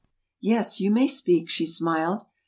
] "Yes, you may speak," she smiled.